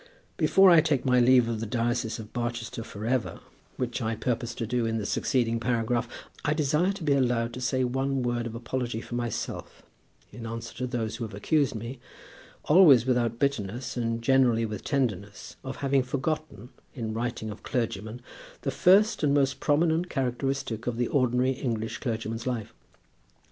Before I take my leave of the diocese of Barchester for ever, which I purpose to do in the succeeding paragraph, I desire to be allowed to say one word of apology for myself, in answer to those who have accused me, always without bitterness, and generally with tenderness, of having forgotten, in writing of clergymen, the first and most prominent characteristic of the ordinary English clergyman's life.